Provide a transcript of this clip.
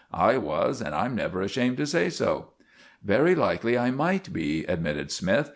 "I was, and I'm never ashamed to say so." "Very likely I might be," admitted Smythe.